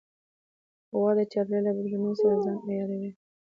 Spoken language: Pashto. غوا د چاپېریال له بدلونونو سره ځان عیاروي.